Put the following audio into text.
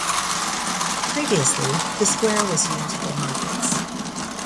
Previously, the square was used for markets.